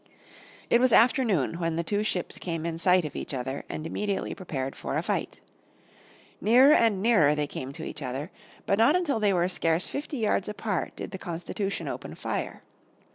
It was afternoon when the two ships came in sight of each other, and immediately prepared for a fight. Nearer and nearer they came to each other, but not until they were scarce fifty yards apart did the Constitution open fire.